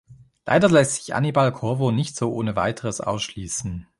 Leider lässt sich Annibale Corvo nicht so ohne weiteres ausschließen.